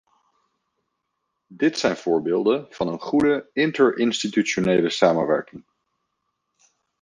Dit zijn voorbeelden van een goede interinstitutionele samenwerking.